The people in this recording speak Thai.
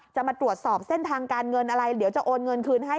มาตรวจสอบเส้นทางการเงินอะไรเดี๋ยวจะโอนเงินคืนให้